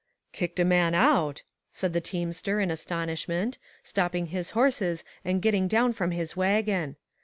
" Kicked a man out !" said the teamster in astonishment, stopping his horses and getting down from his wagon.